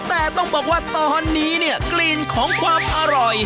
แต่ต้องบอกว่าตอนนี้เนี่ยกลิ่นของความอร่อย